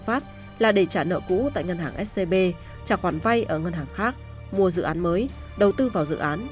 phát là để trả nợ cũ tại ngân hàng scb trả khoản vay ở ngân hàng khác mua dự án mới đầu tư vào dự án